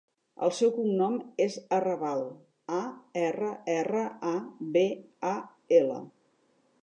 El seu cognom és Arrabal: a, erra, erra, a, be, a, ela.